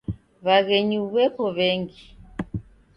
W'aghenyu w'eko w'engi.